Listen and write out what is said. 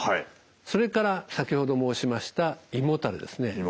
それから先ほど申しました胃もたれですね。